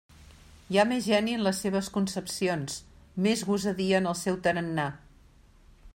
Hi ha més geni en les seves concepcions, més gosadia en el seu tarannà.